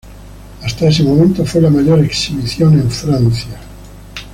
Hasta ese momento fue la mayor exhibición en Francia.